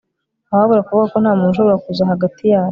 Ntawabura kuvuga ko ntamuntu ushobora kuza hagati yacu